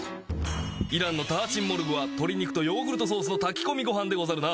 イランのターチンモルグは鶏肉とヨーグルトソースの炊き込みごはんでござるな。